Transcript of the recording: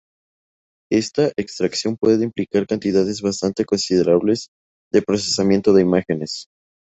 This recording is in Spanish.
Esta extracción puede implicar cantidades bastante considerables de procesamiento de imágenes.